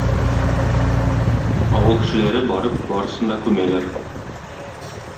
Авыл кешеләре, барып, барысын да күмәләр.